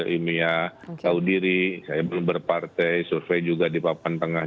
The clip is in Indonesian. media sosial survei ilmiah tahu diri saya belum berpartai survei juga di papan tengah